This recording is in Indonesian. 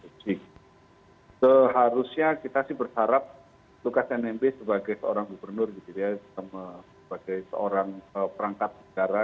seharusnya kita sih bersarap lukas nmb sebagai seorang gubernur sebagai seorang perangkat negara